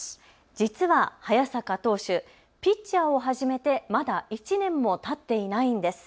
実は早坂投手、ピッチャーを始めてまだ１年もたっていないんです。